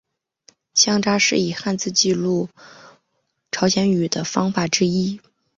乡札是以汉字记录朝鲜语的方法之一。